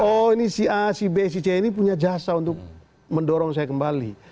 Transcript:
oh ini si a si b si c ini punya jasa untuk mendorong saya kembali